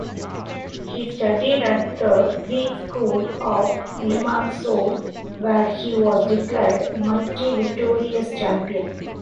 He studied at the Greek School of Limassol where he was declared Multi-victorious Champion.